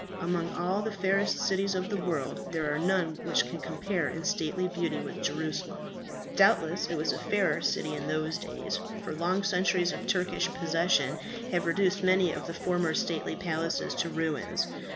Among all the fairest cities of the world, there are none which can compare in stately beauty with Jerusalem. Doubtless it was a fairer city in those days, for long centuries of Turkish possession have reduced many of the former stately palaces to ruins.